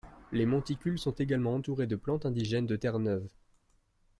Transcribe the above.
Les monticules sont également entourés de plantes indigènes de Terre-Neuve.